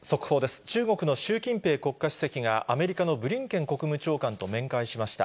中国の習近平国家主席が、アメリカのブリンケン国務長官と面会しました。